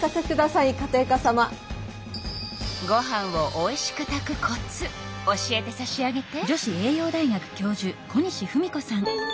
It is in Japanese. ご飯をおいしく炊くコツ教えてさしあげて。